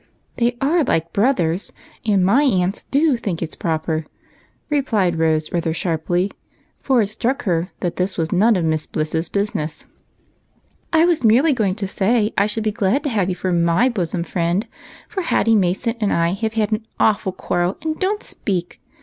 ''" They are like brothers, and my aunts do think it 's proper," replied Rose, rather sharply, for it struck her that this was none of Miss Bliss's business. " I was merely going to say I should be glad to have you for 7ny bosom friend, for Hatty Mason and EAR RINGS. 167 I have had an aAvful quarrel, and don't speak.